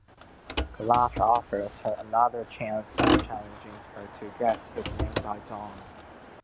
Calaf offers her another chance by challenging her to guess his name by dawn.